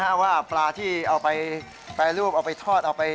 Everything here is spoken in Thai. หลังจากเลี้ยงสัตว์เสร็จให้มันดูสวยงามนะครับแล้วก็เอาไปจูดเสียถัง